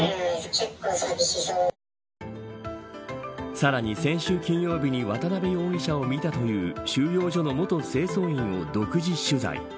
さらに先週金曜日に渡辺容疑者を見たという収容所の元清掃員を独自取材。